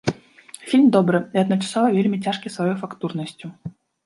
Фільм добры і адначасова вельмі цяжкі сваёй фактурнасцю.